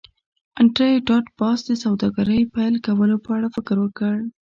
انډریو ډاټ باس د سوداګرۍ پیل کولو په اړه فکر وکړ